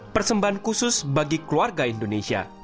persembahan khusus bagi keluarga indonesia